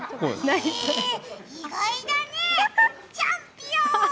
えー、意外だね、チャンピオン！